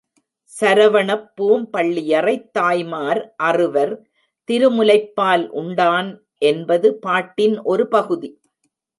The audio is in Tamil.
சரவணப்பூம் பள்ளியறைத் தாய்மார் அறுவர் திருமுலைப்பால் உண்டான் என்பது பாட்டின் ஒரு பகுதி.